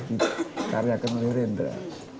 dikaryakan oleh rendra